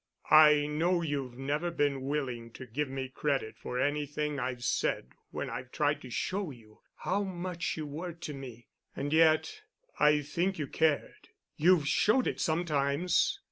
"I know you've never been willing to give me credit for anything I've said when I've tried to show you how much you were to me—and yet, I think you cared—you've showed it sometimes.